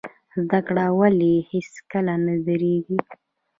زده کړه ولې هیڅکله نه دریږي؟